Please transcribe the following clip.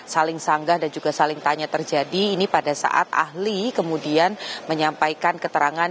saling sanggah dan juga saling tanya terjadi ini pada saat ahli kemudian menyampaikan keterangan